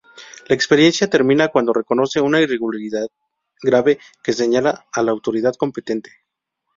La experiencia termina cuando reconoce una irregularidad grave que señala a la autoridad competente.